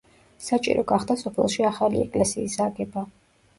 საჭირო გახდა სოფელში ახალი ეკლესიის აგება.